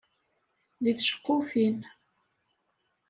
Deg tceqqufin.